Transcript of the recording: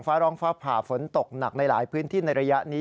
ฟ้าร้องฟ้าผ่าฝนตกหนักในหลายพื้นที่ในระยะนี้